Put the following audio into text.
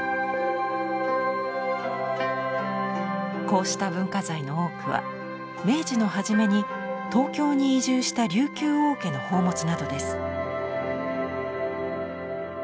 こうした文化財の多くは明治のはじめに東京に移住した琉球王家の宝物などです。